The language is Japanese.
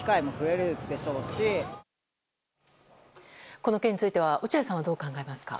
この件については落合さんはどう考えますか。